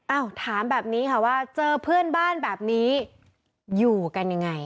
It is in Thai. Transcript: ถามแบบนี้ค่ะว่าเจอเพื่อนบ้านแบบนี้อยู่กันยังไง